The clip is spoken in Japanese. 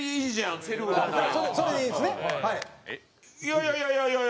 いやいや、いやいや！